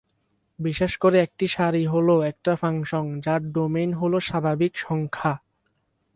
বিশেষ করে, একটি সারি হল একটা ফাংশন যার ডোমেইন হল স্বাভাবিক সংখ্যা।